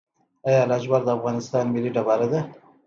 آیا لاجورد د افغانستان ملي ډبره ده؟